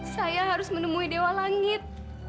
saya harus menemui dewa langit